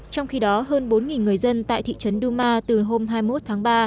trong khi đó hơn bốn người dân tại thị trấn duma từ hôm hai mươi một tháng ba